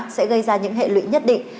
sẽ gây ra những hệ lụy nhất định